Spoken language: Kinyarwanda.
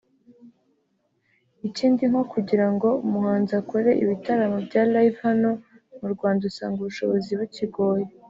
Ikindi nko kugira ngo umuhanzi akore ibitaramo bya Live hano mu Rwanda usanga ubushobozi bukigoye